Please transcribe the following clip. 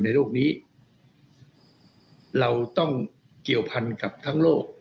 โลกนี้เราต้องเกี่ยวพันกับทั้งโลก